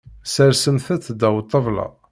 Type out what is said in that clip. Sersemt-tt ddaw ṭṭabla.